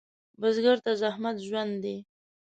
بزګر ته زحمت ژوند دی